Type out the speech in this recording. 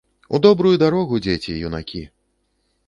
У добрую дарогу, дзеці, юнакі!